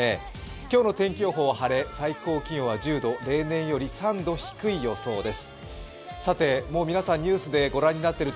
今日の天気予報は晴れ最高気温は１０度例年よりも３度低い予想です。